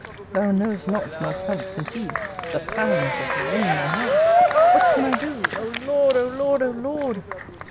Thou knowest not, nor canst conceive, the pangs that wring my heart! What can I do! O Lord, O Lord, O Lord!